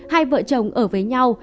hai vợ chồng ở với nhau